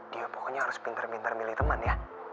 dio pokoknya harus pintar pintar milih temen ya